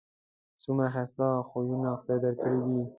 څومره ښایسته خویونه خدای در کړي دي